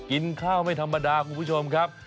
กินข้าวไม่ธรรมดาคุณผู้ชมครับ